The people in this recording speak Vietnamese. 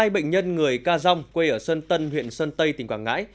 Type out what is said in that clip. hai bệnh nhân người ca dong quê ở sơn tân huyện sơn tây tỉnh quảng ngãi